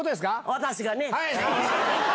私がね。